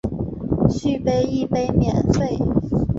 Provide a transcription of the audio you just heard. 续杯一杯免费